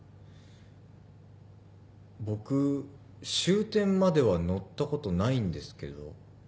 僕終点までは乗ったことないんですけど。